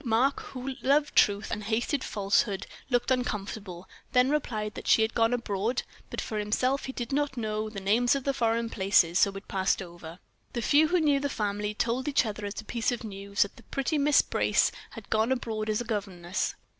Mark, who loved truth, and hated falsehood, looked uncomfortable, then replied that she had gone abroad: but for himself he did not know the names of foreign places; so it passed over. The few who knew the family told each other, as a piece of news, that the pretty Miss Brace had gone abroad as a governess.